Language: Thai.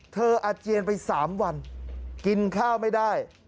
อาเจียนไป๓วันกินข้าวไม่ได้